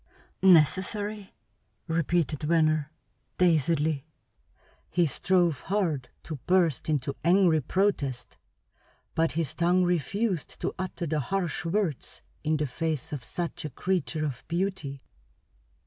"Necessary?" repeated Venner, dazedly. He strove hard to burst into angry protest, but his tongue refused to utter the harsh words in the face of such a creature of beauty.